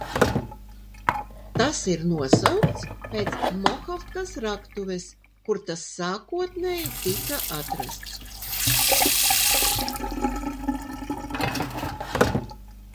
Tas ir nosaukts pēc Mohavkas raktuves, kur tas sākotnēji tika atrasts.